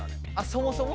そもそも？